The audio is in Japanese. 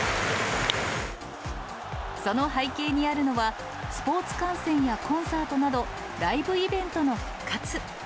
その背景にあるのは、スポーツ観戦やコンサートなど、ライブイベントの復活。